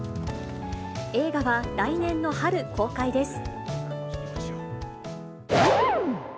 映画は来年の春公開です。